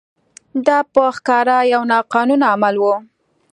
دا په ښکاره یو ناقانونه عمل و.